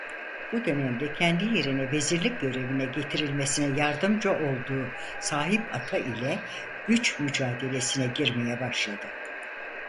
Bu dönemde kendi yerine vezirlik görevine getirilmesine yardımcı olduğu Sahib Ata ile güç mücadelesine girmeye başladı.